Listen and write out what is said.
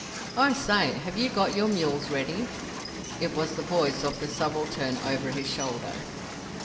"I say, have you got your mules ready?" It was the voice of the subaltern over his shoulder.